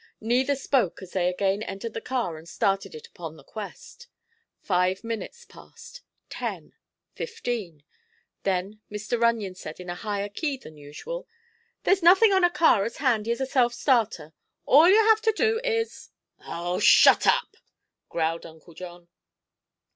Neither spoke as they again entered the car and started it upon the quest. Five minutes passed; ten; fifteen. Then Mr. Runyon said in a higher key than usual: "There's nothing on a car as handy as a self starter. All you have to do is—" "Oh, shut up!" growled Uncle John.